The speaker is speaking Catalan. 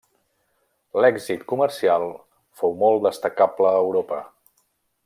L'èxit comercial fou molt destacable a Europa.